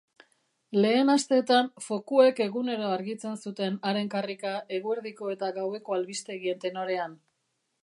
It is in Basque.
Lehen asteetan fokuek egunero argitzen zuten haren karrika eguerdiko eta gaueko albistegien tenorean.